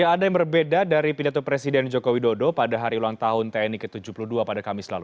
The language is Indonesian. ada yang berbeda dari pidato presiden joko widodo pada hari ulang tahun tni ke tujuh puluh dua pada kamis lalu